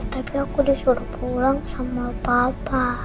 tapi aku disuruh pulang sama papa